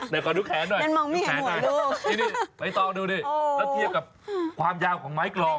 แต่ก่อนดูแขนหน่อยดูแขนหน่อยนี่นี่ไม้ตองดูดิแล้วเทียบกับความยาวของไม้กลอง